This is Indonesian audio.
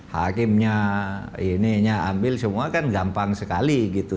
hakimnya ini nya ambil semua kan gampang sekali gitu